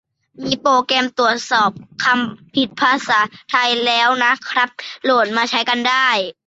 มีโปรแกรมตรวจสอบคำผิดภาษาไทยแล้วนะครับ โหลดมาใช้กันได้